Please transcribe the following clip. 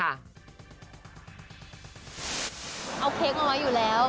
เอาเค้กเอาไว้อยู่แล้ว